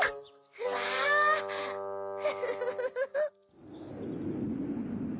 うわフフフ！